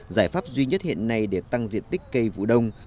giải pháp duy nhất hiện nay để tăng diện tích cây vũ đông